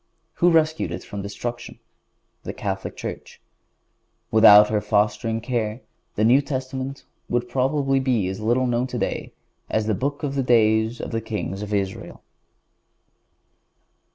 Who rescued it from destruction? The Catholic Church. Without her fostering care the New Testament would probably be as little known today as "the Book of the days of the kings of Israel."